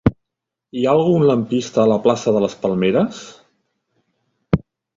Hi ha algun lampista a la plaça de les Palmeres?